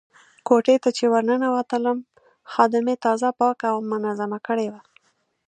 کوټې ته چې ورننوتلم خادمې تازه پاکه او منظمه کړې وه.